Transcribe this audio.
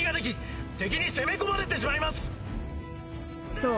［そう。